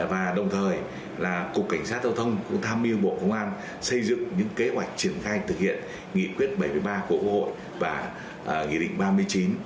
và đồng thời là cục cảnh sát giao thông cũng tham mưu bộ công an xây dựng những kế hoạch triển khai thực hiện nghị quyết bảy mươi ba của quốc hội và nghị định ba mươi chín